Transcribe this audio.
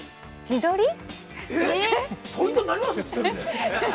自撮りで。